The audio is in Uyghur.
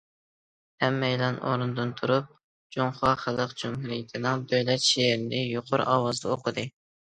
ھەممەيلەن ئورنىدىن تۇرۇپ، جۇڭخۇا خەلق جۇمھۇرىيىتىنىڭ دۆلەت شېئىرىنى يۇقىرى ئاۋازدا ئوقۇدى.